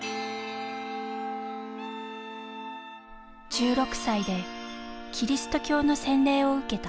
１６歳でキリスト教の洗礼を受けた。